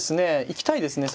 行きたいですね